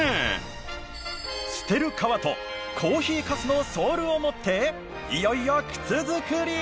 捨てる革とコーヒーかすのソールを持っていよいよ靴作り。